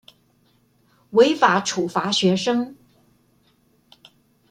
違法處罰學生